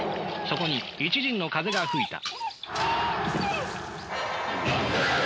そこに一陣の風が吹いた。